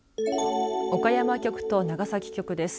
岡山局と長崎局です。